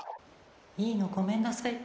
いいのごめんなさい。